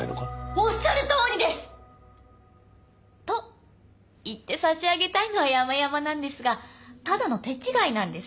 おっしゃるとおりです！と言って差し上げたいのはやまやまなんですがただの手違いなんです。